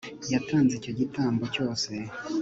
yatanze icyo gitambo cyose